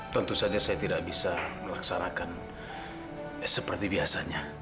tentu saja saya tidak bisa melaksanakan seperti biasanya